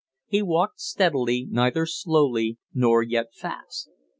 He walked steadily, neither slowly nor yet fast.